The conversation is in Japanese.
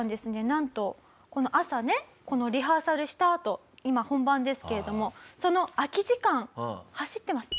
なんと朝ねこのリハーサルしたあと今本番ですけれどもその空き時間走ってます。